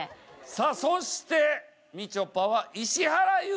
さあそしてみちょぱは石原裕次郎さん。